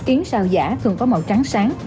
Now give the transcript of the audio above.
yến xào giả thường có màu trắng sáng